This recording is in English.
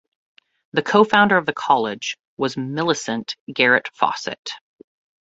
The co-founder of the college was Millicent Garrett Fawcett.